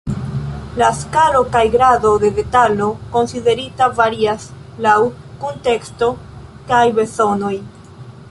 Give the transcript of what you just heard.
La skalo kaj grado de detalo konsiderita varias laŭ kunteksto kaj bezonoj.